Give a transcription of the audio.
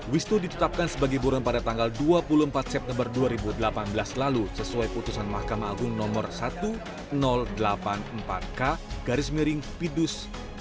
wisnu ditutupkan sebagai buron pada tanggal dua puluh empat september dua ribu delapan belas lalu sesuai putusan mahkamah agung no satu delapan puluh empat k garis miring pidus dua ribu delapan belas